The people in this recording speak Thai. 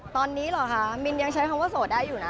ตอนนี้เหรอคะมินยังใช้คำว่าโสดได้อยู่นะ